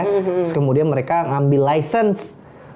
terus kemudian mereka ambil lisensi